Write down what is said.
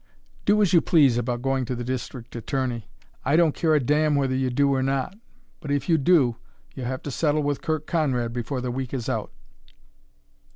Do as you please about going to the district attorney; I don't care a damn whether you do or not. But, if you do, you'll have to settle with Curt Conrad before the week is out!"